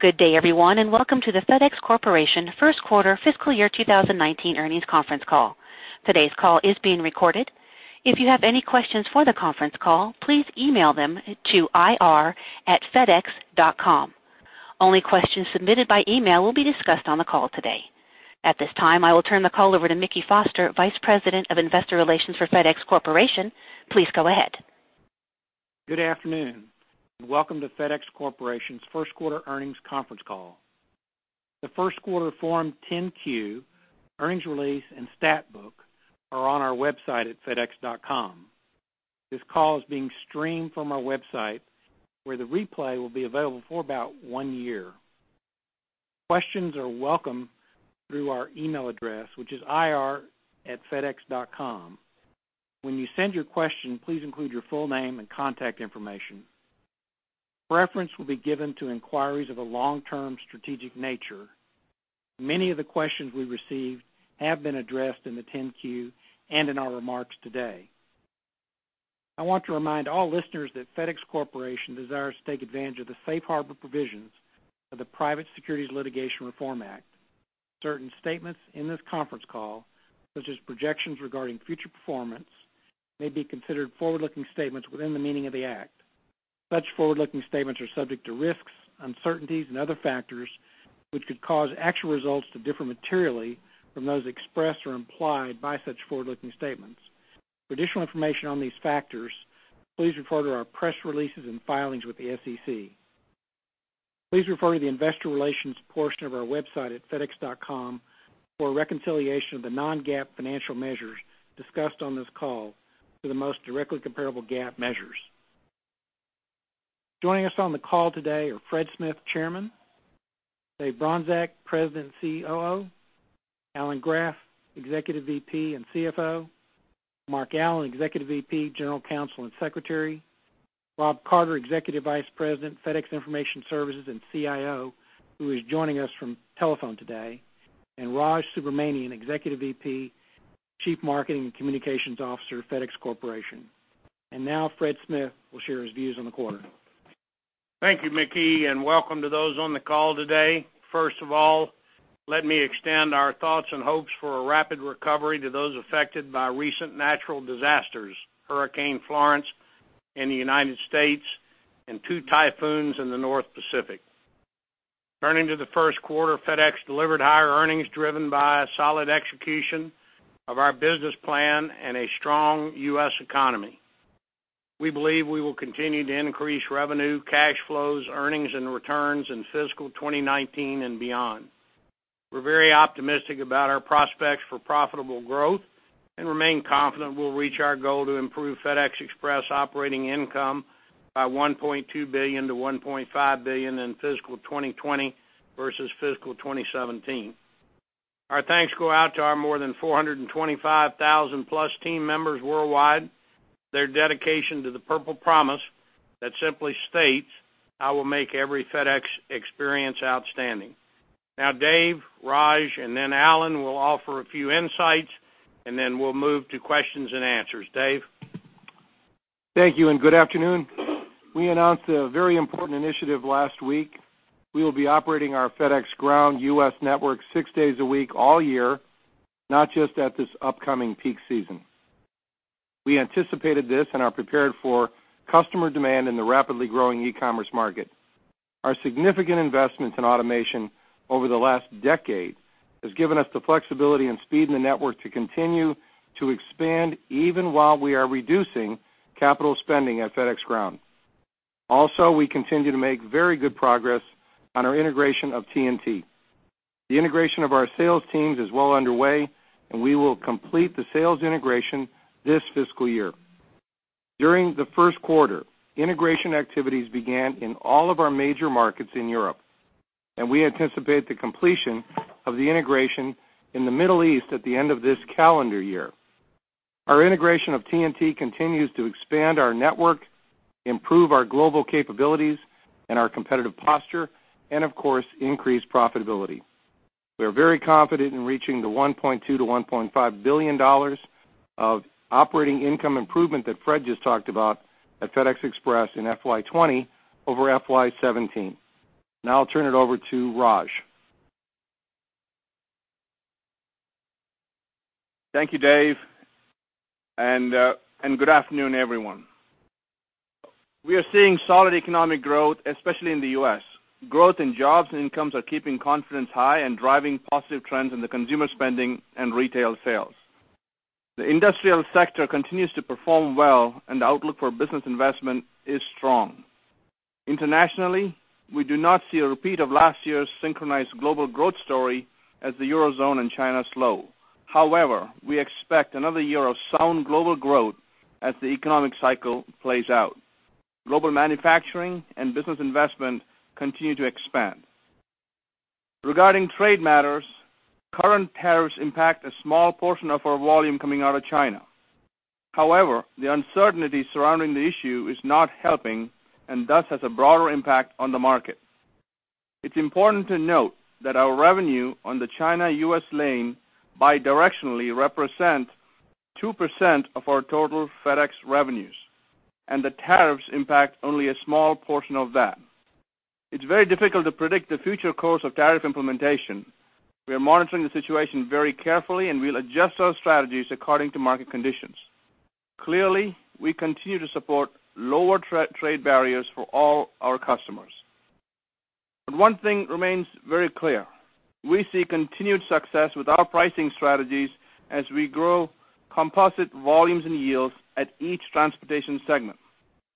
Good day, everyone, and welcome to the FedEx Corporation First Quarter Fiscal Year 2019 Earnings Conference Call. Today's call is being recorded. If you have any questions for the conference call, please email them to ir@fedex.com. Only questions submitted by email will be discussed on the call today. At this time, I will turn the call over to Mickey Foster, Vice President of Investor Relations for FedEx Corporation. Please go ahead. Good afternoon, and welcome to FedEx Corporation's First Quarter Earnings Conference Call. The first quarter Form 10-Q, earnings release, and stat book are on our website at fedex.com. This call is being streamed from our website, where the replay will be available for about one year. Questions are welcome through our email address, which is ir@fedex.com. When you send your question, please include your full name and contact information. Reference will be given to inquiries of a long-term strategic nature. Many of the questions we receive have been addressed in the 10-Q and in our remarks today. I want to remind all listeners that FedEx Corporation desires to take advantage of the safe harbor provisions of the Private Securities Litigation Reform Act of 1995. Certain statements in this conference call, such as projections regarding future performance, may be considered forward-looking statements within the meaning of the act. Such forward-looking statements are subject to risks, uncertainties, and other factors which could cause actual results to differ materially from those expressed or implied by such forward-looking statements. For additional information on these factors, please refer to our press releases and filings with the SEC. Please refer to the investor relations portion of our website at fedex.com for a reconciliation of the non-GAAP financial measures discussed on this call for the most directly comparable GAAP measures. Joining us on the call today are Fred Smith, Chairman; Dave Bronczek, President COO; Alan Graf, Executive VP and CFO; Mark Allen, Executive VP, General Counsel, and Secretary; Rob Carter, Executive Vice President, FedEx Information Services and CIO, who is joining us from telephone today; and Raj Subramaniam, Executive VP, Chief Marketing and Communications Officer, FedEx Corporation. Now Fred Smith will share his views on the quarter. Thank you, Mickey Foster, welcome to those on the call today. First of all, let me extend our thoughts and hopes for a rapid recovery to those affected by recent natural disasters, Hurricane Florence in the U.S. and two typhoons in the North Pacific. Turning to the first quarter, FedEx delivered higher earnings driven by a solid execution of our business plan and a strong U.S. economy. We believe we will continue to increase revenue, cash flows, earnings, and returns in fiscal 2019 and beyond. We're very optimistic about our prospects for profitable growth and remain confident we'll reach our goal to improve FedEx Express operating income by $1.2 billion-$1.5 billion in fiscal 2020 versus fiscal 2017. Our thanks go out to our more than 425,000+ team members worldwide. Their dedication to the Purple Promise that simply states, "I will make every FedEx experience outstanding." Now Dave, Raj, and then Alan will offer a few insights, and then we'll move to questions and answers. Dave? Thank you, and good afternoon. We announced a very important initiative last week. We will be operating our FedEx Ground U.S. network six days a week, all year, not just at this upcoming peak season. We anticipated this and are prepared for customer demand in the rapidly growing e-commerce market. Our significant investments in automation over the last one decade has given us the flexibility and speed in the network to continue to expand even while we are reducing capital spending at FedEx Ground. Also, we continue to make very good progress on our integration of TNT. The integration of our sales teams is well underway, and we will complete the sales integration this fiscal year. During the first quarter, integration activities began in all of our major markets in Europe, and we anticipate the completion of the integration in the Middle East at the end of this calendar year. Our integration of TNT continues to expand our network, improve our global capabilities and our competitive posture, and of course, increase profitability. We are very confident in reaching the $1.2 billion-$1.5 billion of operating income improvement that Fred just talked about at FedEx Express in FY 2020 over FY 2017. Now I'll turn it over to Raj. Thank you, Dave. Good afternoon, everyone. We are seeing solid economic growth, especially in the U.S. Growth in jobs and incomes are keeping confidence high and driving positive trends in the consumer spending and retail sales. The industrial sector continues to perform well, and the outlook for business investment is strong. Internationally, we do not see a repeat of last year's synchronized global growth story as the Eurozone and China slow. We expect another year of sound global growth as the economic cycle plays out. Global manufacturing and business investment continue to expand. Regarding trade matters, current tariffs impact a small portion of our volume coming out of China. The uncertainty surrounding the issue is not helping and thus has a broader impact on the market. It's important to note that our revenue on the China-U.S. lane bidirectionally represent 2% of our total FedEx revenues. The tariffs impact only a small portion of that. It's very difficult to predict the future course of tariff implementation. We are monitoring the situation very carefully. We'll adjust our strategies according to market conditions. Clearly, we continue to support lower trade barriers for all our customers. One thing remains very clear. We see continued success with our pricing strategies as we grow composite volumes and yields at each transportation segment.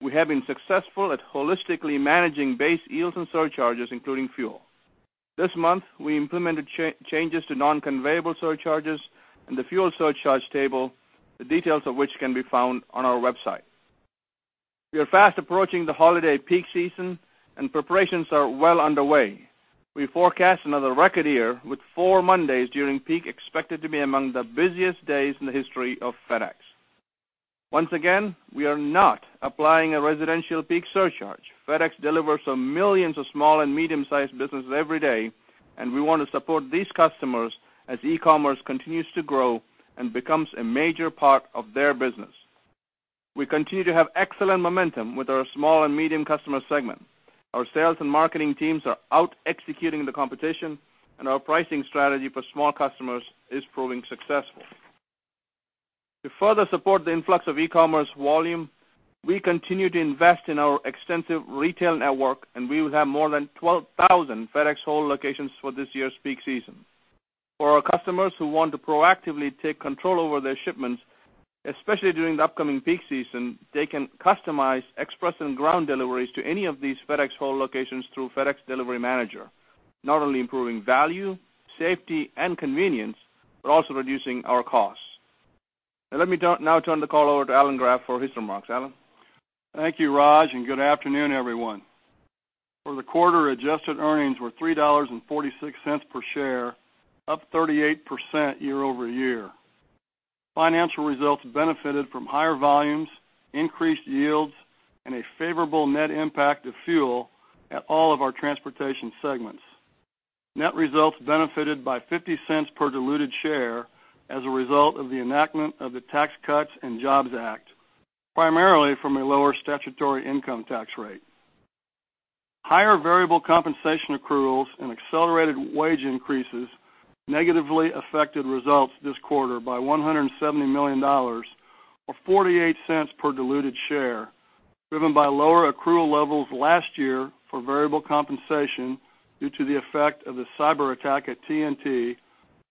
We have been successful at holistically managing base yields and surcharges, including fuel. This month, we implemented changes to non-conveyable surcharges and the fuel surcharge table, the details of which can be found on our website. We are fast approaching the holiday peak season. Preparations are well underway. We forecast another record year with four Mondays during peak expected to be among the busiest days in the history of FedEx. Once again, we are not applying a residential peak surcharge. FedEx delivers to millions of small and medium-sized businesses every day, and we want to support these customers as e-commerce continues to grow and becomes a major part of their business. We continue to have excellent momentum with our small and medium customer segment. Our sales and marketing teams are out-executing the competition, and our pricing strategy for small customers is proving successful. To further support the influx of e-commerce volume, we continue to invest in our extensive retail network, and we will have more than 12,000 FedEx Hold locations for this year's peak season. For our customers who want to proactively take control over their shipments, especially during the upcoming peak season, they can customize express and ground deliveries to any of these FedEx Hold locations through FedEx Delivery Manager, not only improving value, safety, and convenience, but also reducing our costs. Now turn the call over to Alan Graf for his remarks. Alan? Thank you, Raj, and good afternoon, everyone. For the quarter, adjusted earnings were $3.46 per share, up 38% year-over-year. Financial results benefited from higher volumes, increased yields, and a favorable net impact of fuel at all of our transportation segments. Net results benefited by $0.50 per diluted share as a result of the enactment of the Tax Cuts and Jobs Act, primarily from a lower statutory income tax rate. Higher variable compensation accruals and accelerated wage increases negatively affected results this quarter by $170 million, or $0.48 per diluted share, driven by lower accrual levels last year for variable compensation due to the effect of the cyber attack at TNT,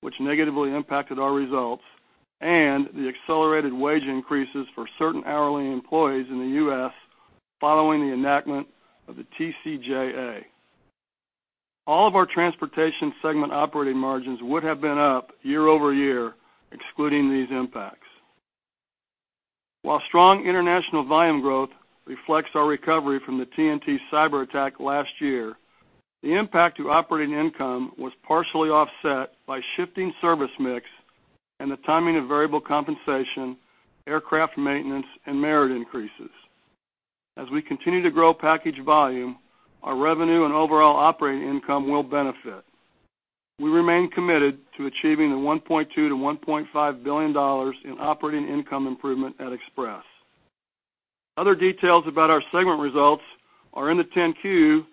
which negatively impacted our results, and the accelerated wage increases for certain hourly employees in the U.S. following the enactment of the TCJA. All of our transportation segment operating margins would have been up year-over-year, excluding these impacts. While strong international volume growth reflects our recovery from the TNT cyberattack last year, the impact to operating income was partially offset by shifting service mix and the timing of variable compensation, aircraft maintenance, and merit increases. As we continue to grow package volume, our revenue and overall operating income will benefit. We remain committed to achieving the $1.2 billion-$1.5 billion in operating income improvement at Express. Other details about our segment results are in the Form 10-Q,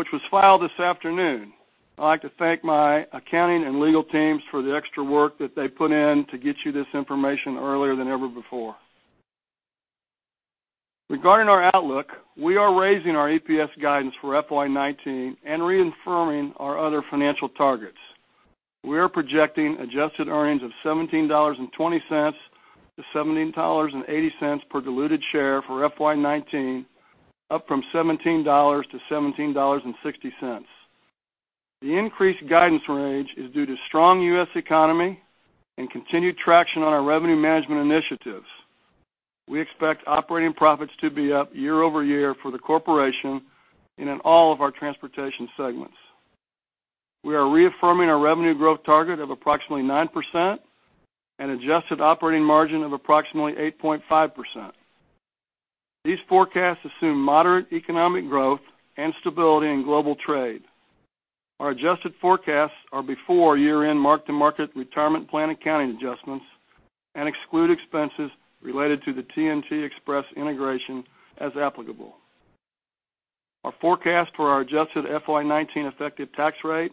which was filed this afternoon. I'd like to thank my accounting and legal teams for the extra work that they put in to get you this information earlier than ever before. Regarding our outlook, we are raising our EPS guidance for FY 2019 and reaffirming our other financial targets. We are projecting adjusted earnings of $17.20-$17.80 per diluted share for FY 2019, up from $17.00-$17.60. The increased guidance range is due to strong U.S. economy and continued traction on our revenue management initiatives. We expect operating profits to be up year-over-year for the corporation and in all of our transportation segments. We are reaffirming our revenue growth target of approximately 9% and adjusted operating margin of approximately 8.5%. These forecasts assume moderate economic growth and stability in global trade. Our adjusted forecasts are before year-end mark-to-market retirement plan accounting adjustments and exclude expenses related to the TNT Express integration as applicable. Our forecast for our adjusted FY 2019 effective tax rate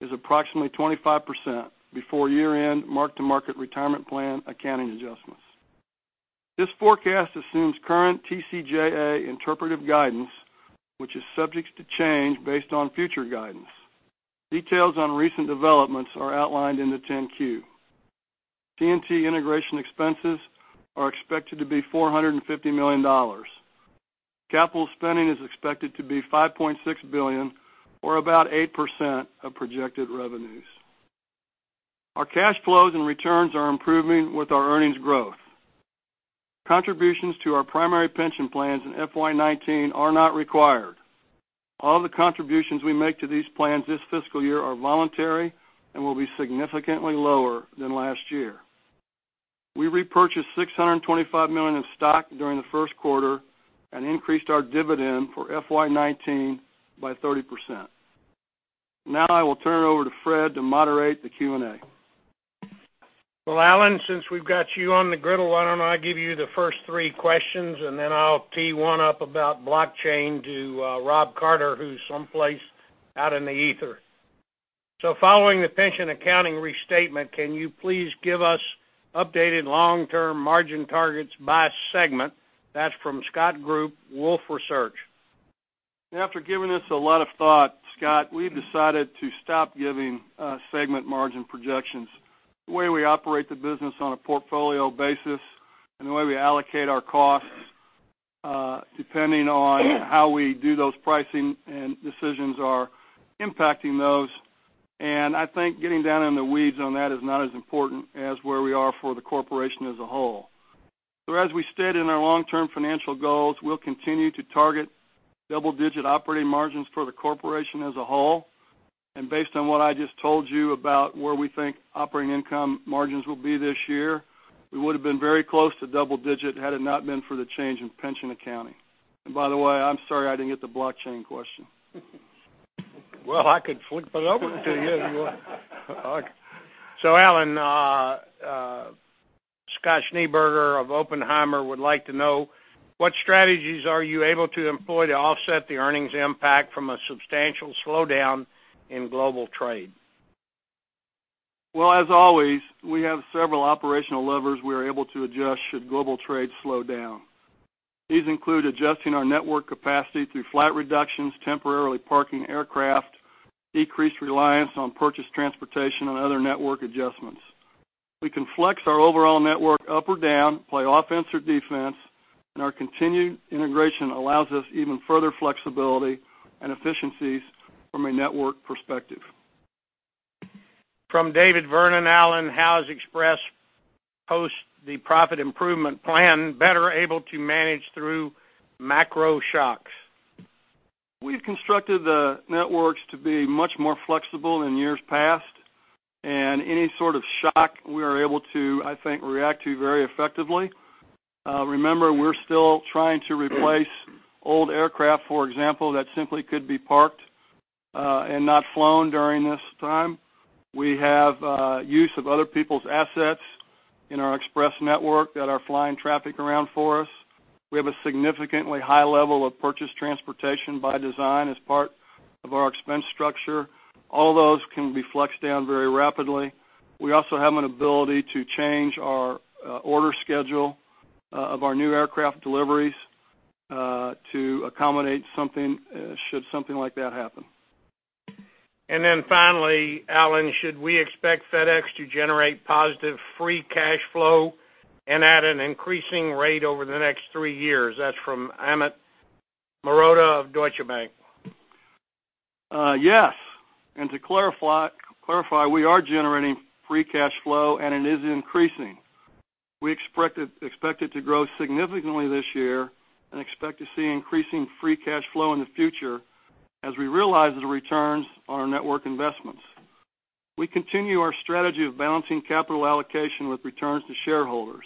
is approximately 25% before year-end mark-to-market retirement plan accounting adjustments. This forecast assumes current TCJA interpretive guidance, which is subject to change based on future guidance. Details on recent developments are outlined in the Form 10-Q. TNT integration expenses are expected to be $450 million. Capital spending is expected to be $5.6 billion or about 8% of projected revenues. Our cash flows and returns are improving with our earnings growth. Contributions to our primary pension plans in FY 2019 are not required. All the contributions we make to these plans this fiscal year are voluntary and will be significantly lower than last year. We repurchased $625 million in stock during the first quarter and increased our dividend for FY 2019 by 30%. Now, I will turn it over to Fred to moderate the Q&A. Well, Alan, since we've got you on the griddle, why don't I give you the first three questions, and then I'll tee one up about blockchain to Rob Carter, who's someplace out in the ether. Following the pension accounting restatement, can you please give us updated long-term margin targets by segment? That's from Scott Group, Wolfe Research. After giving this a lot of thought, Scott, we've decided to stop giving segment margin projections. The way we operate the business on a portfolio basis and the way we allocate our costs, depending on how we do those pricing and decisions are impacting those. I think getting down in the weeds on that is not as important as where we are for the corporation as a whole. As we said in our long-term financial goals, we'll continue to target double-digit operating margins for the corporation as a whole. Based on what I just told you about where we think operating income margins will be this year, we would have been very close to double digit had it not been for the change in pension accounting. By the way, I'm sorry, I didn't get the blockchain question. Well, I could flip it over to you if you want. Alan, Scott Schneeberger of Oppenheimer would like to know, what strategies are you able to employ to offset the earnings impact from a substantial slowdown in global trade? Well, as always, we have several operational levers we are able to adjust should global trade slow down. These include adjusting our network capacity through fleet reductions, temporarily parking aircraft, decreased reliance on purchase transportation, and other network adjustments. We can flex our overall network up or down, play offense or defense, and our continued integration allows us even further flexibility and efficiencies from a network perspective. From David Vernon, Alan, how is Express, post the profit improvement plan, better able to manage through macro shocks? We've constructed the networks to be much more flexible than years past, and any sort of shock we are able to, I think, react to very effectively. Remember, we're still trying to replace old aircraft, for example, that simply could be parked and not flown during this time. We have use of other people's assets in our Express network that are flying traffic around for us. We have a significantly high level of purchase transportation by design as part of our expense structure. All those can be flexed down very rapidly. We also have an ability to change our order schedule of our new aircraft deliveries to accommodate something should something like that happen. Finally, Alan, should we expect FedEx to generate positive free cash flow and at an increasing rate over the next three years? That's from Amit Mehrotra of Deutsche Bank. Yes. To clarify, we are generating free cash flow, and it is increasing. We expect it to grow significantly this year and expect to see increasing free cash flow in the future as we realize the returns on our network investments. We continue our strategy of balancing capital allocation with returns to shareholders.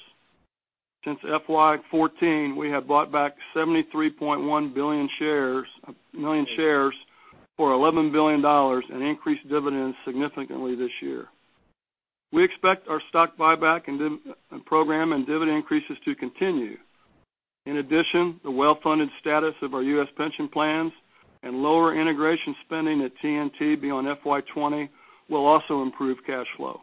Since FY 2014, we have bought back 73.1 million shares for $11 billion and increased dividends significantly this year. We expect our stock buyback program and dividend increases to continue. In addition, the well-funded status of our U.S. pension plans and lower integration spending at TNT beyond FY 2020 will also improve cash flow.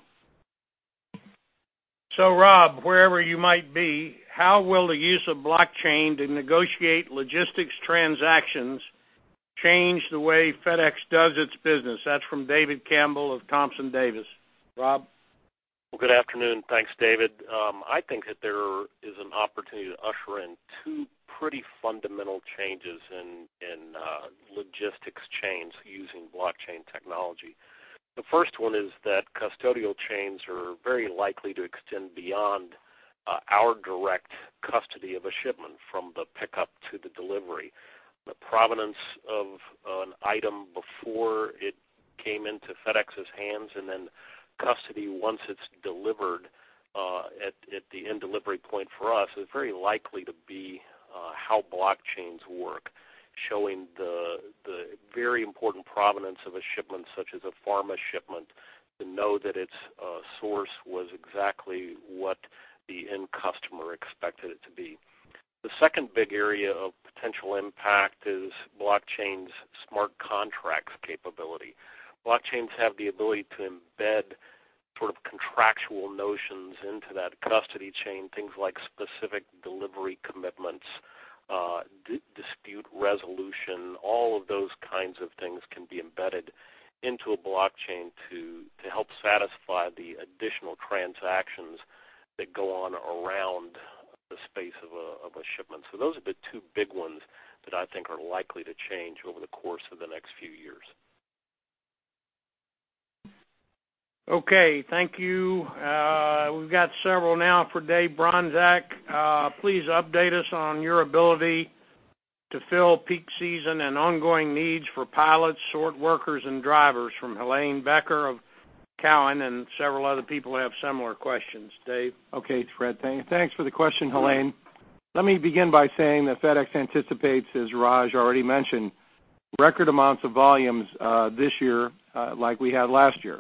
Rob, wherever you might be, how will the use of blockchain to negotiate logistics transactions change the way FedEx does its business? That's from David Campbell of Thompson Davis. Rob? Well, good afternoon. Thanks, David. I think that there is an opportunity to usher in two pretty fundamental changes in logistics chains using blockchain technology. The first one is that custodial chains are very likely to extend beyond our direct custody of a shipment from the pickup to the delivery. The provenance of an item before it came into FedEx's hands and then custody once it's delivered at the end delivery point for us is very likely to be how blockchains work. Showing the very important provenance of a shipment, such as a pharma shipment, to know that its source was exactly what the end customer expected it to be. The second big area of potential impact is blockchain's smart contracts capability. Blockchains have the ability to embed sort of contractual notions into that custody chain, things like specific delivery commitments, dispute resolution. All of those kinds of things can be embedded into a blockchain to help satisfy the additional transactions that go on around the space of a shipment. Those are the two big ones that I think are likely to change over the course of the next few years. Okay, thank you. We've got several now for Dave Bronczek. Please update us on your ability to fill peak season and ongoing needs for pilots, sort workers, and drivers. From Helane Becker of Cowen and several other people have similar questions. Dave? Okay, Fred. Thanks for the question, Helane. Let me begin by saying that FedEx anticipates, as Raj already mentioned, record amounts of volumes this year, like we had last year.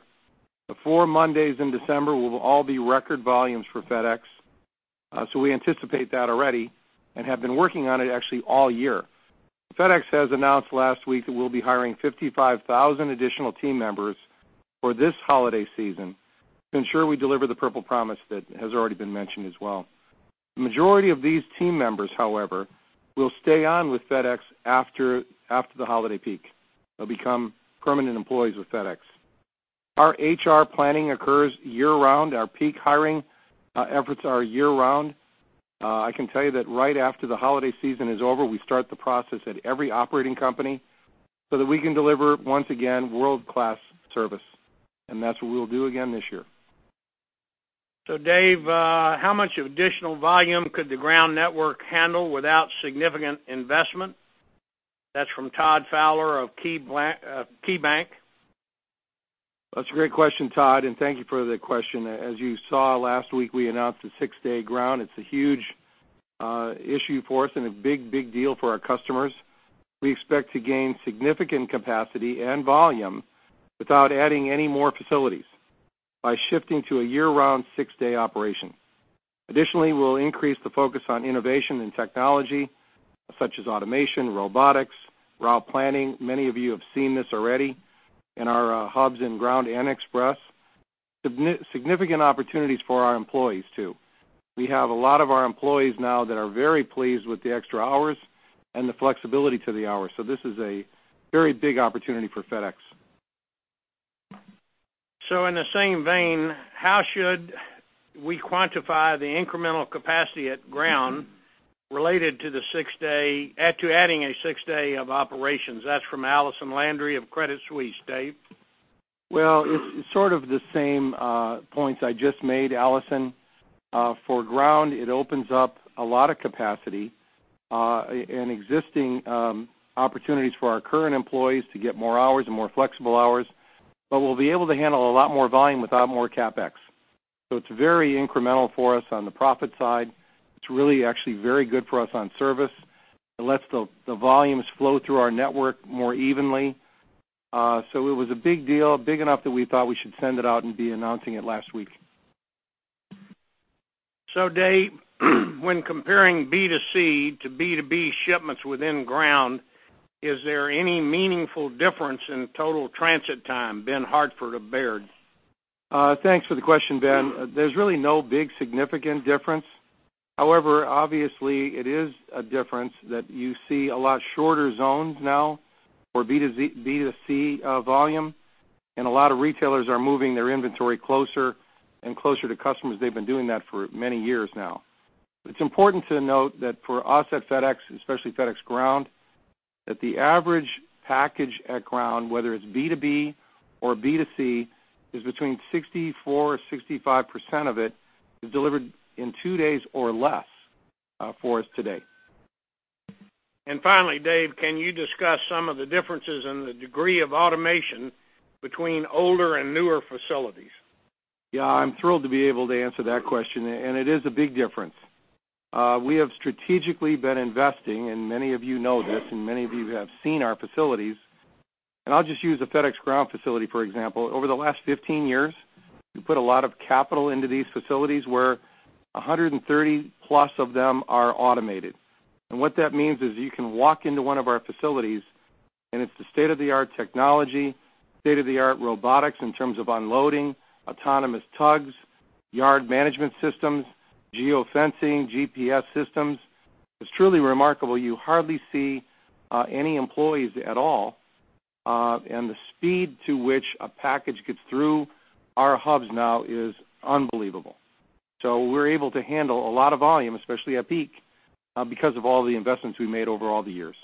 The four Mondays in December will all be record volumes for FedEx, so we anticipate that already and have been working on it actually all year. FedEx has announced last week that we'll be hiring 55,000 additional team members for this holiday season to ensure we deliver the Purple Promise that has already been mentioned as well. The majority of these team members, however, will stay on with FedEx after the holiday peak. They'll become permanent employees with FedEx. Our HR planning occurs year-round. Our peak hiring efforts are year-round. I can tell you that right after the holiday season is over, we start the process at every operating company so that we can deliver, once again, world-class service, and that's what we'll do again this year. Dave, how much additional volume could the ground network handle without significant investment? That is from Todd Fowler of KeyBanc. That's a great question, Todd, and thank you for the question. As you saw last week, we announced the six-day Ground. It's a huge issue for us and a big, big deal for our customers. We expect to gain significant capacity and volume without adding any more facilities by shifting to a year-round six-day operation. We'll increase the focus on innovation and technology, such as automation, robotics, route planning. Many of you have seen this already in our hubs and Ground and Express. Significant opportunities for our employees too. We have a lot of our employees now that are very pleased with the extra hours and the flexibility to the hours. This is a very big opportunity for FedEx. In the same vein, how should we quantify the incremental capacity at Ground related to adding a six day of operations? That's from Allison Landry of Credit Suisse. Dave. Well, it's sort of the same points I just made, Allison. For ground, it opens up a lot of capacity, and existing opportunities for our current employees to get more hours and more flexible hours. We'll be able to handle a lot more volume without more CapEx. It's very incremental for us on the profit side. It's really actually very good for us on service. It lets the volumes flow through our network more evenly. It was a big deal, big enough that we thought we should send it out and be announcing it last week. Dave, when comparing B2C to B2B shipments within ground, is there any meaningful difference in total transit time? Ben Hartford of Baird. Thanks for the question, Ben. There's really no big significant difference. However, obviously, it is a difference that you see a lot shorter zones now for B2C volume, and a lot of retailers are moving their inventory closer and closer to customers. They've been doing that for many years now. It's important to note that for us at FedEx, especially FedEx Ground, that the average package at Ground, whether it's B2B or B2C, is between 64%, 65% of it is delivered in two days or less for us today. Finally, Dave, can you discuss some of the differences in the degree of automation between older and newer facilities? Yeah. I'm thrilled to be able to answer that question, and it is a big difference. We have strategically been investing, and many of you know this, and many of you have seen our facilities. I'll just use a FedEx Ground facility, for example. Over the last 15 years, we put a lot of capital into these facilities, where 130 plus of them are automated. What that means is you can walk into one of our facilities, and it's the state-of-the-art technology, state-of-the-art robotics in terms of unloading, autonomous tugs, yard management systems, geo-fencing, GPS systems. It's truly remarkable. You hardly see any employees at all, and the speed to which a package gets through our hubs now is unbelievable. We're able to handle a lot of volume, especially at peak, because of all the investments we made over all the years.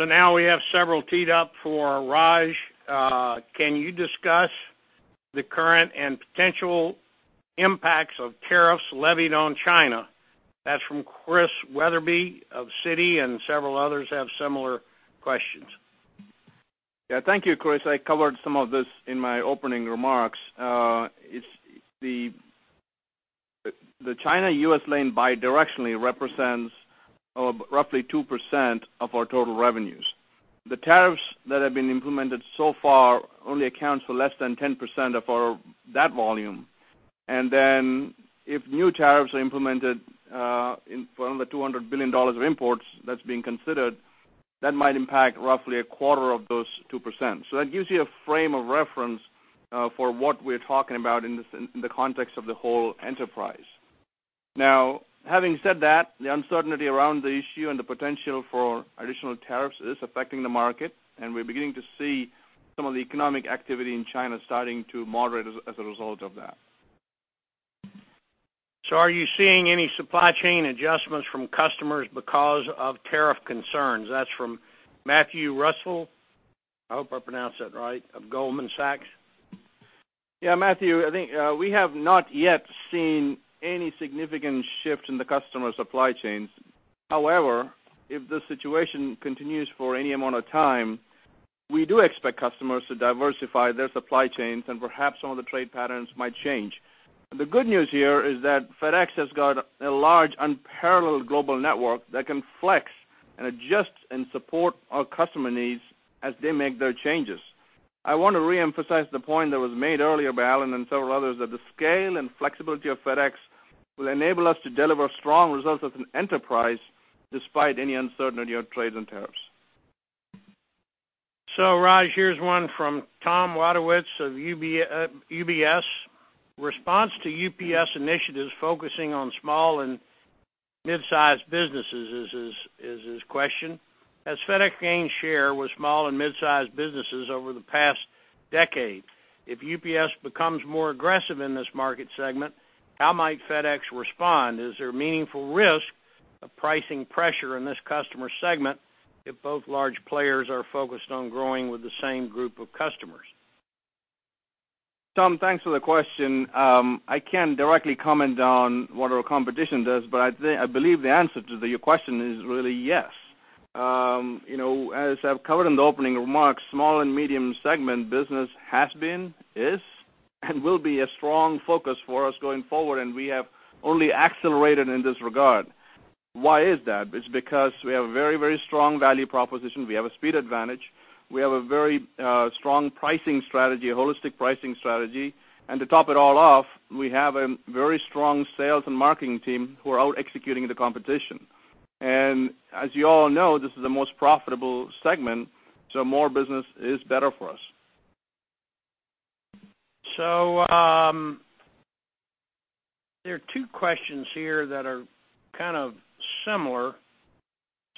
Now we have several teed up for Raj. Can you discuss the current and potential impacts of tariffs levied on China? That's from Chris Wetherbee of Citi, and several others have similar questions. Thank you, Chris. I covered some of this in my opening remarks. It's the China-U.S. lane bidirectionally represents roughly 2% of our total revenues. The tariffs that have been implemented so far only accounts for less than 10% of our, that volume. If new tariffs are implemented, from the $200 billion of imports that's being considered, that might impact roughly a quarter of those 2%. That gives you a frame of reference for what we're talking about in the context of the whole enterprise. Now, having said that, the uncertainty around the issue and the potential for additional tariffs is affecting the market, and we're beginning to see some of the economic activity in China starting to moderate as a result of that. Are you seeing any supply chain adjustments from customers because of tariff concerns? That's from Matthew Reustle, I hope I pronounced that right, of Goldman Sachs. Matthew, I think we have not yet seen any significant shift in the customer supply chains. However, if the situation continues for any amount of time, we do expect customers to diversify their supply chains and perhaps some of the trade patterns might change. The good news here is that FedEx has got a large unparalleled global network that can flex and adjust and support our customer needs as they make their changes. I want to reemphasize the point that was made earlier by Alan and several others, that the scale and flexibility of FedEx will enable us to deliver strong results as an enterprise despite any uncertainty on trades and tariffs. Raj, here's one from Thomas Wadewitz of UBS. Response to UPS initiatives focusing on small and mid-sized businesses is his question. As FedEx gains share with small and mid-sized businesses over the past decade, if UPS becomes more aggressive in this market segment, how might FedEx respond? Is there meaningful risk of pricing pressure in this customer segment if both large players are focused on growing with the same group of customers? Tom, thanks for the question. I can't directly comment on what our competition does, but I believe the answer to your question is really yes. You know, as I've covered in the opening remarks, small and medium segment business has been, is, and will be a strong focus for us going forward, and we have only accelerated in this regard. Why is that? It's because we have a very, very strong value proposition. We have a speed advantage. We have a very strong pricing strategy, a holistic pricing strategy. To top it all off, we have a very strong sales and marketing team who are out-executing the competition. As you all know, this is the most profitable segment, so more business is better for us. There are two questions here that are kind of similar.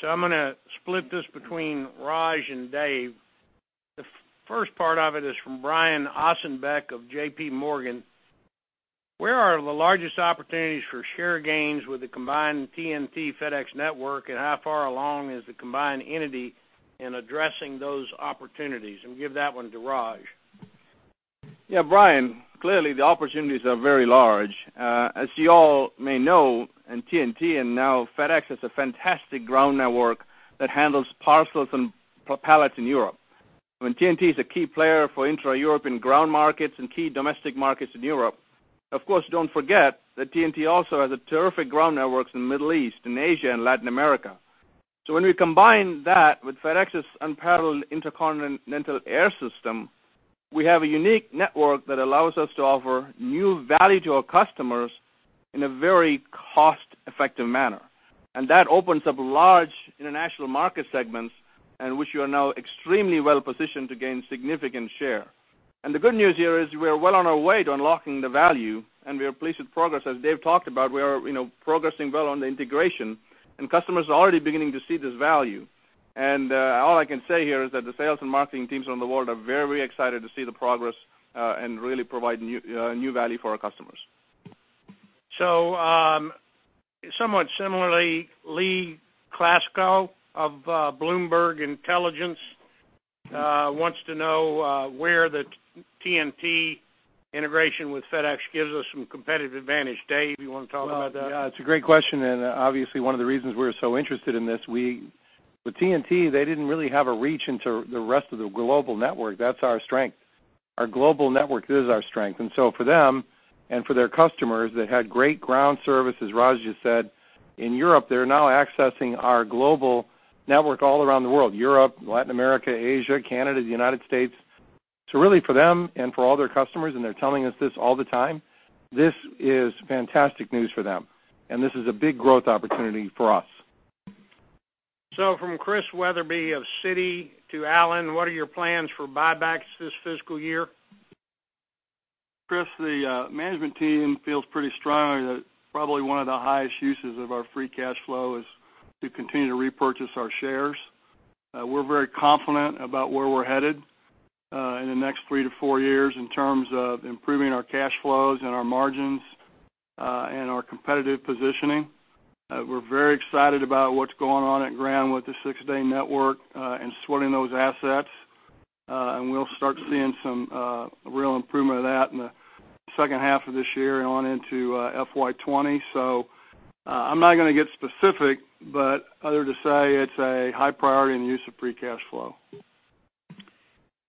I'm gonna split this between Raj and Dave. The first part of it is from Brian Ossenbeck of JPMorgan. Where are the largest opportunities for share gains with the combined TNT FedEx network, and how far along is the combined entity in addressing those opportunities? Give that one to Raj. Yeah, Brian, clearly, the opportunities are very large. As you all may know, TNT and now FedEx has a fantastic ground network that handles parcels and pallets in Europe. I mean, TNT is a key player for intra-European ground markets and key domestic markets in Europe. Of course, don't forget that TNT also has a terrific ground networks in Middle East and Asia and Latin America. When we combine that with FedEx's unparalleled intercontinental air system, we have a unique network that allows us to offer new value to our customers in a very cost-effective manner. That opens up large international market segments in which we are now extremely well-positioned to gain significant share. The good news here is we are well on our way to unlocking the value, and we are pleased with progress. As Dave talked about, we are, you know, progressing well on the integration, and customers are already beginning to see this value. All I can say here is that the sales and marketing teams around the world are very excited to see the progress and really provide new new value for our customers. Somewhat similarly, Lee Klaskow of Bloomberg Intelligence wants to know where the TNT integration with FedEx gives us some competitive advantage. Dave, you wanna talk about that? Well, yeah, it's a great question. Obviously, one of the reasons we're so interested in this, we with TNT, they didn't really have a reach into the rest of the global network. That's our strength. Our global network is our strength. For them and for their customers that had great ground service, as Raj just said, in Europe, they're now accessing our global network all around the world, Europe, Latin America, Asia, Canada, the United States. Really for them and for all their customers, and they're telling us this all the time, this is fantastic news for them, and this is a big growth opportunity for us. From Christian Wetherbee of Citi to Alan, what are your plans for buybacks this fiscal year? Chris, the management team feels pretty strongly that probably one of the highest uses of our free cash flow is to continue to repurchase our shares. We're very confident about where we're headed, in the next three to four years in terms of improving our cash flows and our margins, and our competitive positioning. We're very excited about what's going on at Ground with the six-day network, and sweating those assets. We'll start seeing some real improvement of that in the second half of this year and on into FY 2020. I'm not gonna get specific, but other to say it's a high priority in use of free cash flow.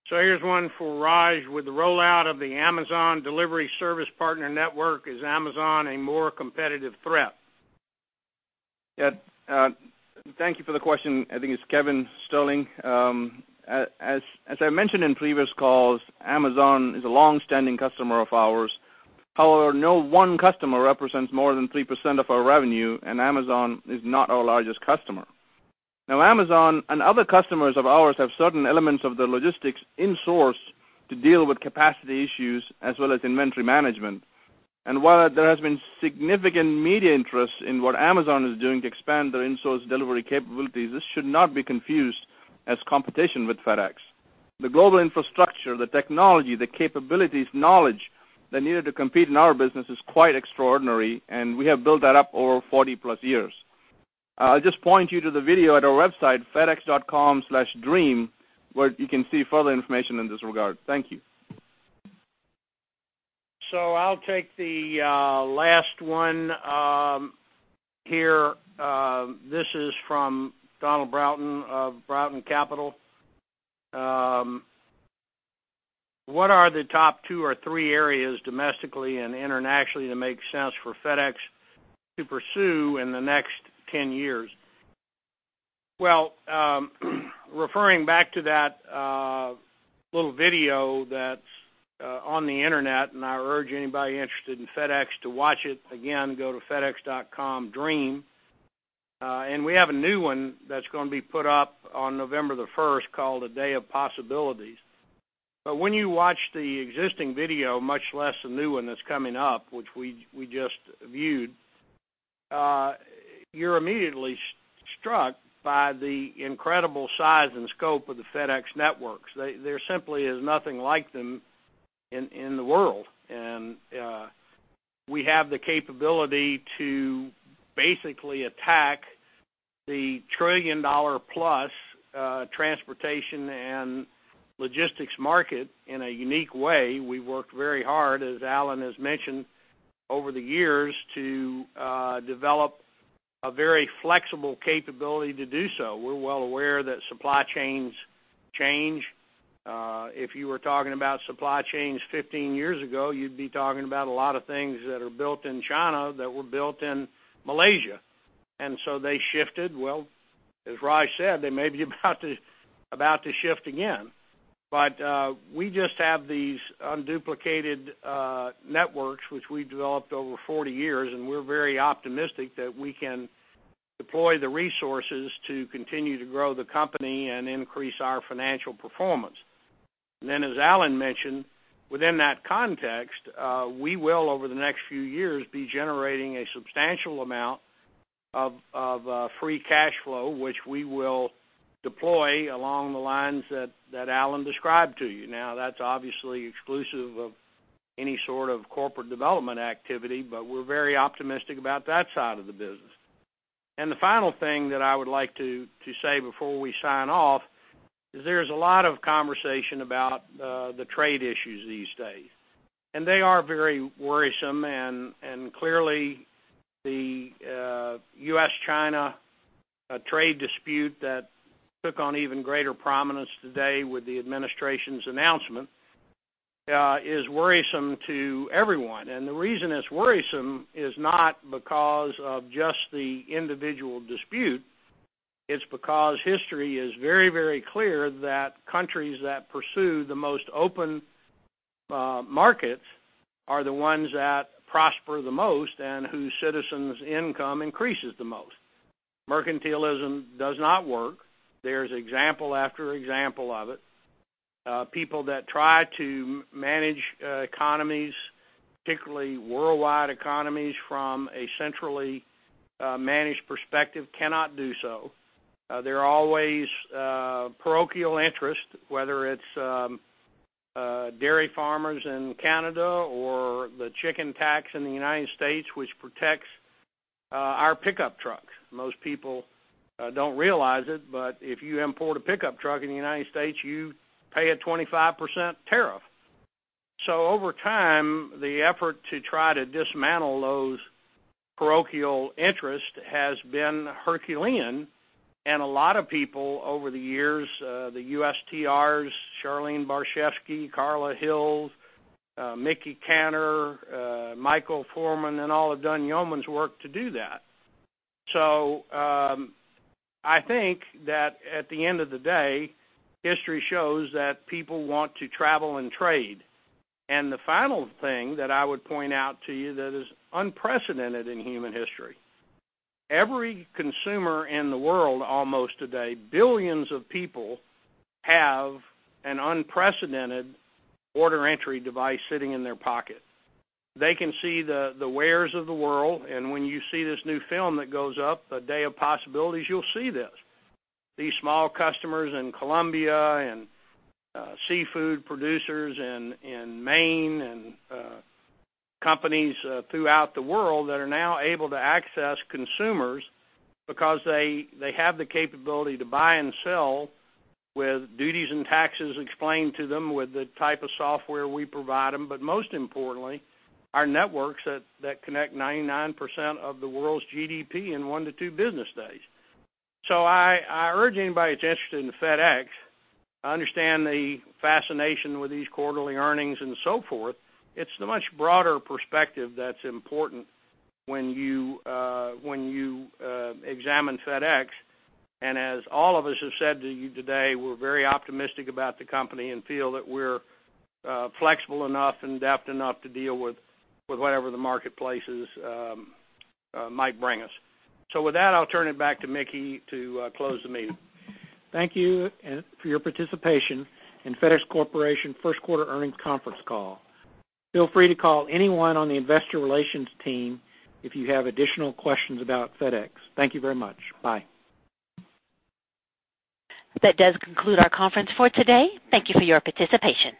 Here's one for Raj. With the rollout of the Amazon delivery service partner network, is Amazon a more competitive threat? Yeah. Thank you for the question. I think it's Kevin Sterling. As I mentioned in previous calls, Amazon is a long-standing customer of ours. However, no one customer represents more than 3% of our revenue, and Amazon is not our largest customer. Now, Amazon and other customers of ours have certain elements of their logistics insourced to deal with capacity issues as well as inventory management. While there has been significant media interest in what Amazon is doing to expand their insourced delivery capabilities, this should not be confused as competition with FedEx. The global infrastructure, the technology, the capabilities, knowledge that are needed to compete in our business is quite extraordinary, and we have built that up over 40-plus years. I'll just point you to the video at our website, fedex.com/dream, where you can see further information in this regard. Thank you. I'll take the last one here. This is from Donald Broughton of Broughton Capital. What are the top two or three areas domestically and internationally that make sense for FedEx to pursue in the next 10 years? Referring back to that little video that's on the Internet, and I urge anybody interested in FedEx to watch it. Again, go to fedex.com/dream. And we have a new one that's gonna be put up on November 1 called A Day of Possibilities. When you watch the existing video, much less the new one that's coming up, which we just viewed, you're immediately struck by the incredible size and scope of the FedEx networks. There simply is nothing like them in the world. We have the capability to basically attack the $1 trillion-plus transportation and logistics market in a unique way. We worked very hard, as Alan has mentioned, over the years to develop a very flexible capability to do so. We're well aware that supply chains change. If you were talking about supply chains 15 years ago, you'd be talking about a lot of things that are built in China that were built in Malaysia. They shifted. As Raj said, they may be about to shift again. We just have these unduplicated networks which we developed over 40 years, and we're very optimistic that we can deploy the resources to continue to grow the company and increase our financial performance. Then, as Alan mentioned, within that context, we will, over the next few years, be generating a substantial amount of free cash flow, which we will deploy along the lines that Alan described to you. That's obviously exclusive of any sort of corporate development activity, but we're very optimistic about that side of the business. The final thing that I would like to say before we sign off is there's a lot of conversation about the trade issues these days, and they are very worrisome. Clearly, the U.S.-China trade dispute that took on even greater prominence today with the administration's announcement, is worrisome to everyone. The reason it's worrisome is not because of just the individual dispute. It's because history is very, very clear that countries that pursue the most open markets are the ones that prosper the most and whose citizens' income increases the most. Mercantilism does not work. There's example after example of it. People that try to manage economies, particularly worldwide economies, from a centrally managed perspective cannot do so. There are always parochial interests, whether it's dairy farmers in Canada or the Chicken Tax in the United States, which protects our pickup trucks. Most people don't realize it, but if you import a pickup truck in the United States, you pay a 25% tariff. Over time, the effort to try to dismantle those parochial interests has been Herculean, and a lot of people over the years, the USTRs, Charlene Barshefsky, Carla Hills, Mickey Kantor, Michael Froman, and all have done yeoman's work to do that. I think that at the end of the day, history shows that people want to travel and trade. The final thing that I would point out to you that is unprecedented in human history, every consumer in the world almost today, billions of people have an unprecedented order entry device sitting in their pocket. They can see the wares of the world, and when you see this new film that goes up, A Day of Possibilities, you'll see this. These small customers in Colombia and seafood producers in Maine and companies throughout the world that are now able to access consumers because they have the capability to buy and sell with duties and taxes explained to them with the type of software we provide them, but most importantly, our networks that connect 99% of the world's GDP in one-two business days. I urge anybody that's interested in FedEx, understand the fascination with these quarterly earnings and so forth. It's the much broader perspective that's important when you, when you examine FedEx. As all of us have said to you today, we're very optimistic about the company and feel that we're flexible enough and adept enough to deal with whatever the marketplaces might bring us. With that, I'll turn it back to Mickey to close the meeting. Thank you for your participation in FedEx Corporation First Quarter Earnings Conference call. Feel free to call anyone on the investor relations team if you have additional questions about FedEx. Thank you very much. Bye. That does conclude our conference for today. Thank Thank you for your participation.